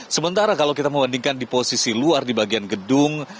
sementara kalau kita membandingkan di posisi luar di bagian gedung